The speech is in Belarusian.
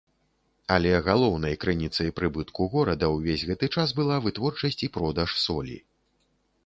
Але галоўнай крыніцай прыбытку горада ўвесь гэты час была вытворчасць і продаж солі.